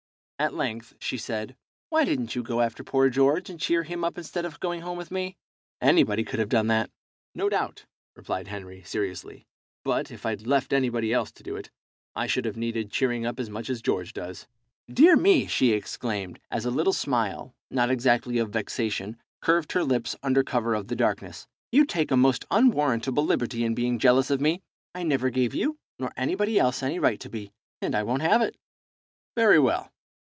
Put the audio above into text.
At length she said "Why didn't you go after poor George and cheer him up instead of going home with me? Anybody could have done that." "No doubt," replied Henry, seriously; "but, if I'd left anybody else to do it, I should have needed cheering up as much as George does." "Dear me," she exclaimed, as a little smile, not exactly of vexation, curved her lips under cover of the darkness, "you take a most unwarrantable liberty in being jealous of me. I never gave you nor anybody else any right to be, and I won't have it!" "Very well.